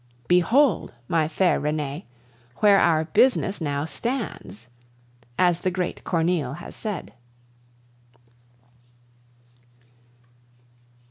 Behold, my fair Renee, where our business now stands, as the great Corneille has said.